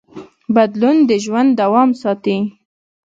بدلون د ژوند دوام ساتي.